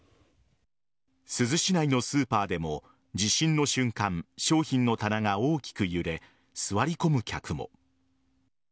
珠洲市内のスーパーでも地震の瞬間商品の棚が大きく揺れ座り込む客も。